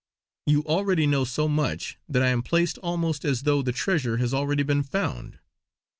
You already know so much that I am placed almost as though the treasure has already been found.